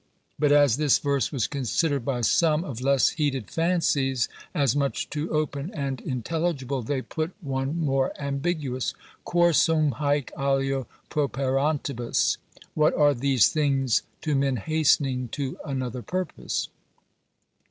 But as this verse was considered by some of less heated fancies as much too open and intelligible, they put one more ambiguous: Quorsum hÃḊc alio properantibus? What are these things to men hastening to another purpose?